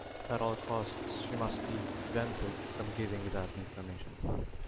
At all costs she must be prevented from giving that information.